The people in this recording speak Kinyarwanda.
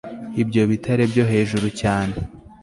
Ibyo bitare byo hejuru cyane